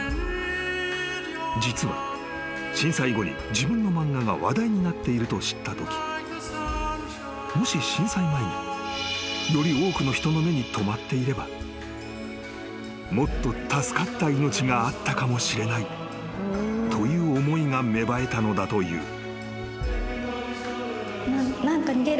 ［実は震災後に自分の漫画が話題になっていると知ったときもし震災前により多くの人の目に留まっていればもっと助かった命があったかもしれないという思いが芽生えたのだという］